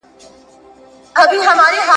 خدای پیدا پر مخ د مځکي انسانان کړل `